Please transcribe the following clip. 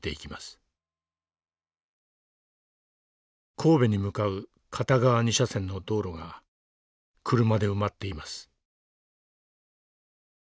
神戸に向かう片側２車線の道路が車で埋まっています。